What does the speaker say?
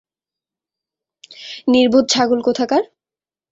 নির্বোধ ছাগল কোথাকার!